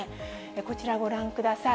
こちら、ご覧ください。